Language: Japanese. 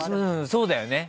そうだよね。